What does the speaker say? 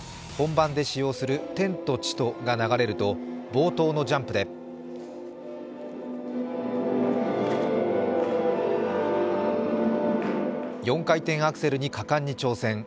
本番で使用する「天と地と」が流れると冒頭のジャンプで４回転アクセルに果敢に挑戦。